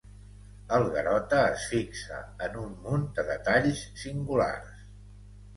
El Garota es fixa en un munt de detalls singulars.